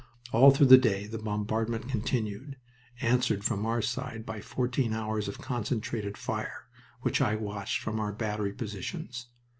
All through the day the bombardment continued, answered from our side by fourteen hours of concentrated fire, which I watched from our battery positions.